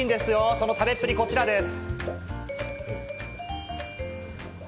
その食べっぷりこちらです。